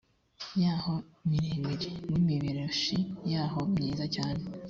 yaho miremire n imiberoshi yaho myiza cyane